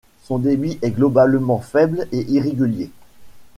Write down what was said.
Son débit est globalement faible et irrégulier.